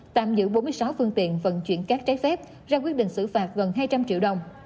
tạm giữ bốn mươi sáu phương tiện vận chuyển cát trái phép ra quyết định xử phạt gần hai trăm linh triệu đồng